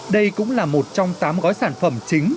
đây cũng là một trong tám gói sản phẩm chính